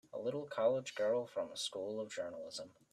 A little college girl from a School of Journalism!